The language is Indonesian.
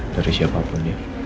dari siapapun ya